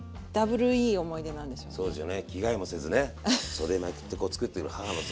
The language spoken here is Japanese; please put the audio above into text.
袖まくってこう作ってる母の姿。